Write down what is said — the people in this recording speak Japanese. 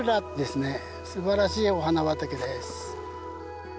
すばらしいお花畑です。